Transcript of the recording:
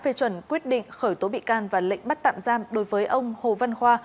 phê chuẩn quyết định khởi tố bị can và lệnh bắt tạm giam đối với ông hồ văn khoa